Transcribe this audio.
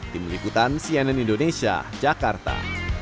tim liputan cnn indonesia jakarta